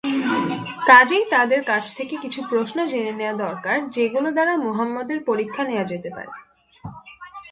কাজেই তাদের কাছ থেকে কিছু প্রশ্ন জেনে নেয়া দরকার; যেগুলো দ্বারা মুহাম্মদের পরীক্ষা নেয়া যেতে পারে।